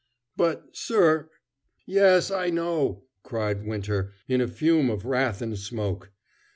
"But sir " "Yes, I know," cried Winter, in a fume of wrath and smoke.